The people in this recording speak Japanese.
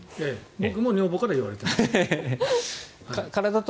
僕も女房から言われていました。